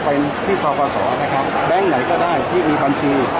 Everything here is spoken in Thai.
ต้องเป็นที่ภาษาศรนะครับแบงค์ไหนก็ได้ที่มีบัญชี